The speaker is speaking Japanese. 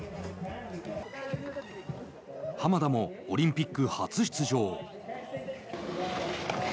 浜田もオリンピック初出場。